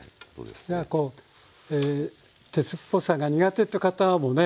こう鉄っぽさが苦手って方もね